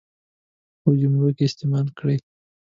په جملو کې استعمال کړي.